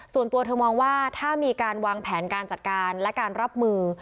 ส่วนตัวเธอมองว่าถ้ามีการวางแผนการจัดการและการรับมือ